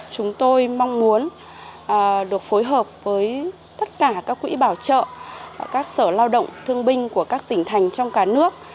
chúng tôi mong muốn được phối hợp với tất cả các quỹ bảo trợ các sở lao động thương binh của các tỉnh thành trong cả nước